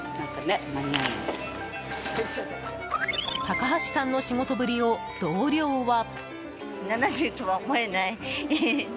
高橋さんの仕事ぶりを同僚は。